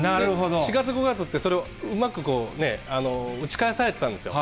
４月、５月ってうまく打ち返されてたんですよ。